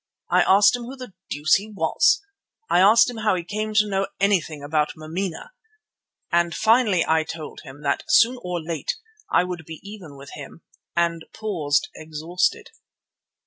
I asked him who the deuce he was. I asked him how he came to know anything about Mameena, and finally I told him that soon or late I would be even with him, and paused exhausted.